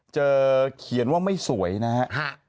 เขียนว่าไม่สวยนะครับ